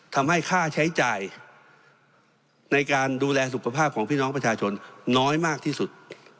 ทำให้ค่าใช้จ่ายในการดูแลสุขภาพของพี่น้องประชาชนน้อยมากที่สุด